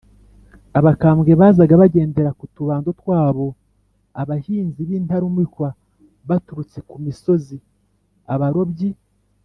abakambwe bazaga bagendera ku tubando twabo, abahinzi b’intarumikwa baturutse ku misozi, abarobyi